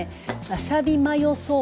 わさびマヨソース。